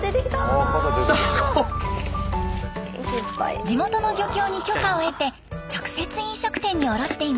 地元の漁協に許可を得て直接飲食店に卸しています。